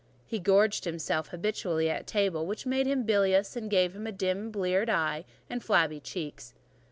He gorged himself habitually at table, which made him bilious, and gave him a dim and bleared eye and flabby cheeks.